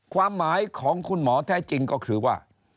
ความหมายของคุณหมอแท้จริงก็คือว่า